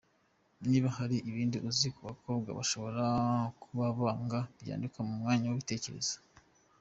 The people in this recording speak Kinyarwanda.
Niba hari ibindi uzi abakobwa bashobora kuba banga byandike mu mwanya w’ibitekerezo.